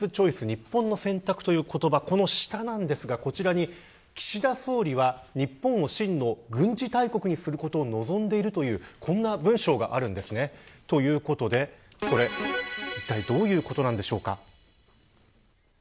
日本の選択という言葉の下なんですが岸田総理は、日本を真の軍事大国にすることを望んでいるという文章があるんです。ということで、これいったいどういうことなんでしょうか。